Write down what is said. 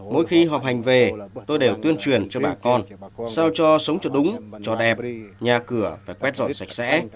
mỗi khi họp hành về tôi đều tuyên truyền cho bà con sao cho sống cho đúng cho đẹp nhà cửa phải quét lõi sạch sẽ